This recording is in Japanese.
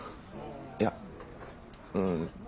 いやうん。